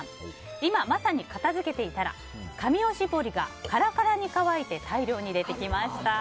今、まさに片づけていたら紙おしぼりがカラカラに乾いて大量に出てきました。